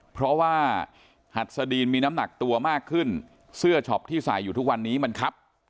เพราะว่าหัดสดีนมีน้ำหนักตัวมากขึ้นเสื้อช็อปที่ใส่อยู่ทุกวันนี้มันครับ